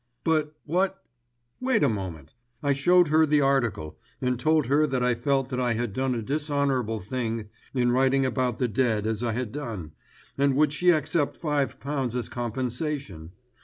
"But what——" "Wait a moment. I showed her the article, and told her that I felt that I had done a dishonourable thing in writing about the dead as I had done, and would she accept five pounds as compensation.